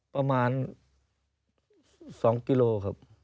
ประมาณ๒กิโลครับ